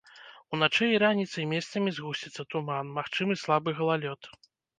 Уначы і раніцай месцамі згусціцца туман, магчымы слабы галалёд.